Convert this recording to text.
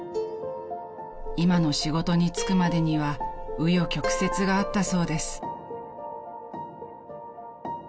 ［今の仕事に就くまでには紆余曲折があったそうです］